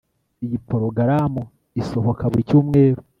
Iyo porogaramu isohoka buri cyumweru